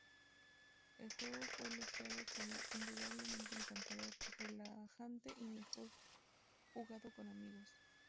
El juego fue elogiado como "indudablemente encantador", relajante y mejor jugado con amigos.